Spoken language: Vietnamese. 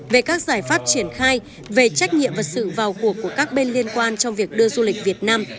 về các giải pháp triển khai về trách nhiệm và sự vào cuộc của các bên liên quan trong việc đưa du lịch việt nam